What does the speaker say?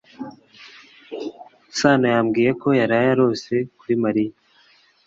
sano yambwiye ko yaraye arose kuri mariya